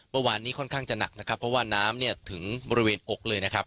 เมื่อวานนี้ค่อนข้างจะหนักนะครับเพราะว่าน้ำเนี่ยถึงบริเวณอกเลยนะครับ